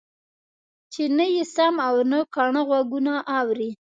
چې نه يې سم او نه کاڼه غوږونه اوري.